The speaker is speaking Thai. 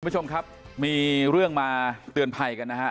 คุณผู้ชมครับมีเรื่องมาเตือนภัยกันนะฮะ